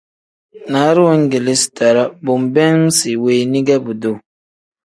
Naaru weegeleezi too-ro bo nbeem isi weeni ge buduu.